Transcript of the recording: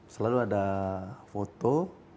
selalu ada foto